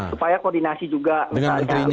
supaya koordinasi juga